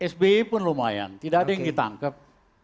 sby pun lumayan tidak ada yang ditangkap